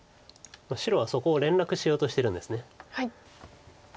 白はそこを連絡しようとしてるんです。